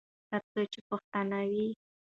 تر څو چې پښتانه وي.